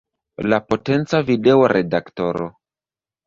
La potenca video redaktoro.